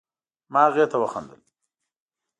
ما هغې ته وخندل